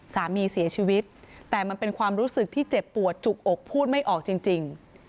สามีเสียชีวิตแต่มันเป็นความรู้สึกที่เจ็บปวดจุกอกพูดไม่ออกจริง